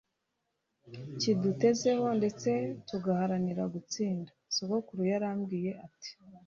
kidutezeho, ndetse tugaharanira gutsinda. sogokuru yarambwiye ati: